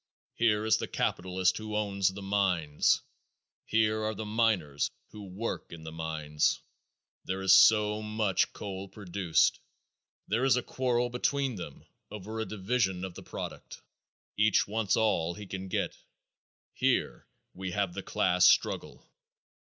Here is the capitalist who owns the mines; here are the miners who work in the mines. There is so much coal produced. There is a quarrel between them over a division of the product. Each wants all he can get. Here we have the class struggle.